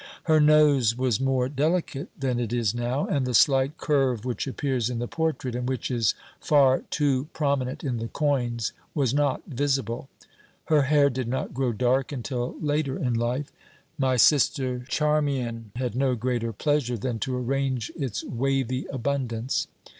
Her nose was more delicate than it is now, and the slight curve which appears in the portrait, and which is far too prominent in the coins, was not visible. Her hair did not grow dark until later in life. My sister Charmian had no greater pleasure than to arrange its wavy abundance.